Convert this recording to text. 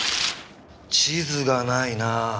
地図がないな。